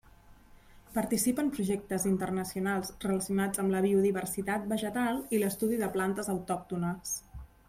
Participa en projectes internacionals relacionats amb la biodiversitat vegetal i l'estudi de plantes autòctones.